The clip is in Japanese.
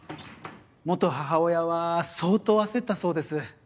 元母親は相当焦ったそうです。